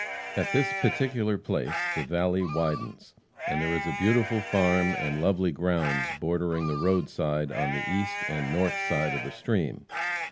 At this particular place the valley widens, and there is a beautiful farm and lovely grounds bordering the roadside on the east and north side of the stream.